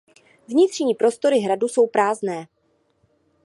Vnitřní prostory hradu jsou prázdné.